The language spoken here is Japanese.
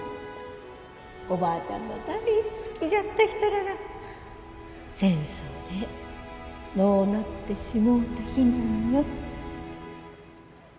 おばあちゃんが大好きじゃった人らが戦争で亡うなってしもうた日なんよ。